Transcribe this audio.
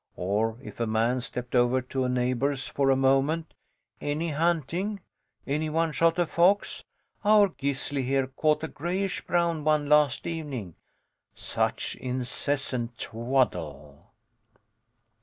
Or if a man stepped over to a neighbour's for a moment: Any hunting? Anyone shot a fox? Our Gisli here caught a grayish brown one last evening. Such incessant twaddle!